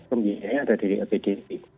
pembiayanya ada di lpgp